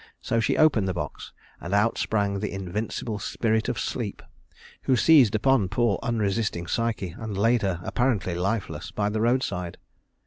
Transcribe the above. So she opened the box and out sprang the invincible Spirit of Sleep, who seized upon poor unresisting Psyche and laid her, apparently lifeless, by the roadside.